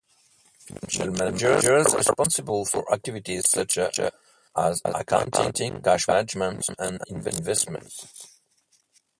Financial managers are responsible for activities such as accounting, cash management, and investments.